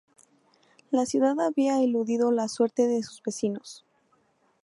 La ciudad había eludido la suerte de sus vecinos.